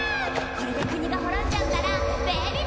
これで国が滅んじゃったらベラビラ最高！